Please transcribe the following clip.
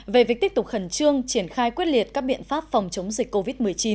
về việc tiếp tục khẩn trương triển khai quyết liệt các biện pháp phòng chống dịch covid một mươi chín